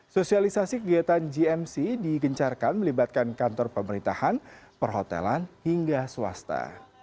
sosialisasi kegiatan gmc digencarkan melibatkan kantor pemerintahan perhotelan hingga swasta